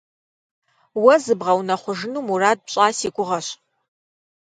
Уэ зыбгъэунэхъужыну мурад пщӏа си гугъэщ.